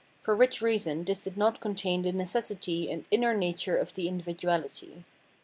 Physiognomy 307 for which reason this did not contain the necessity and inner nature of individuaUty.